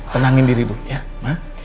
tenangin diri dulu ya ma